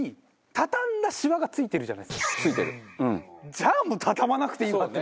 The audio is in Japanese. じゃあ畳まなくていいわって。